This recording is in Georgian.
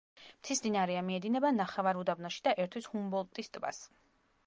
მთის მდინარეა, მიედინება ნახევარუდაბნოში და ერთვის ჰუმბოლდტის ტბას.